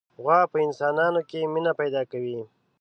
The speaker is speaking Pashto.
غوا په انسانانو کې مینه پیدا کوي.